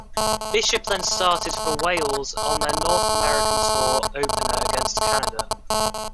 Bishop then started for Wales on their North America tour opener against Canada.